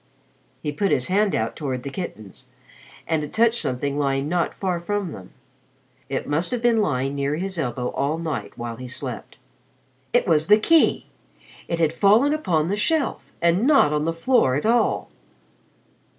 He put his hand out toward the kittens, and it touched something lying not far from them. It must have been lying near his elbow all night while he slept. It was the key! It had fallen upon the shelf, and not on the floor at all.